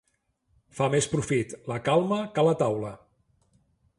Fa més profit la calma que la taula.